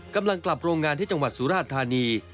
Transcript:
กำลังกลับโรงงานที่จังหวัดสุราชธานี